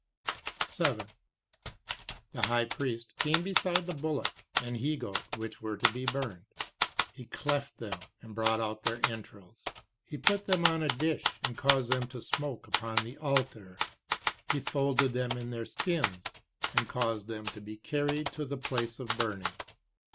7. The High Priest came beside the bullock and he goat which were to be burned. He cleft them, and brought out their entrails. He put them on a dish, and caused them to smoke upon the altar. He folded them in their skins, and caused them to be carried to the place of burning.